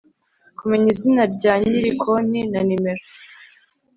kumenya izina rya nyiri konti na nimero